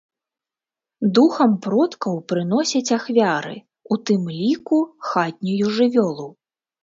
Духам продкаў прыносяць ахвяры, у тым ліку хатнюю жывёлу.